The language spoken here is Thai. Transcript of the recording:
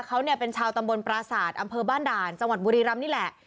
เขาเนี่ยเป็นชาวตำบลปราศาสตร์อำเภอบ้านด่านจังหวัดบุรีรำนี่แหละ